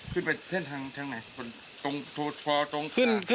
ขึ้นไปเท่าไหนตรงทาง